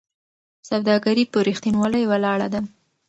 سوداګري په رښتینولۍ ولاړه ده.